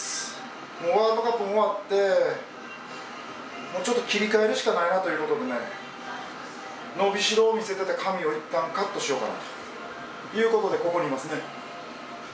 もうワールドカップも終わって、ちょっと切り替えるしかないなということでね、伸びしろを見せてた髪をいったんカットしようかなということで、ここにいますね。